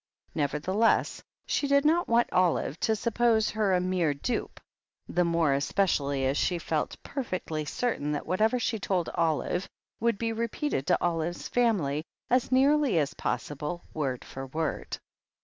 NeverthelesSi she did not want Olive to suppose her a mere dupe, the more especially as she felt perfectly certain that what ever she told Olive would be repeated to Olivers family, as nearly as possible word for word.